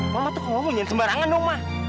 mama tuh mau bunyian sembarangan mama